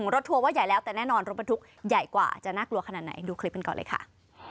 รถทัวร์ว่าใหญ่แล้วแต่แน่นอนรถบรรทุกใหญ่กว่าจะน่ากลัวขนาดไหนดูคลิปกันก่อนเลยค่ะ